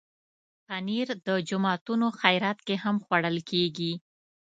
پنېر د جوماتونو خیرات کې هم خوړل کېږي.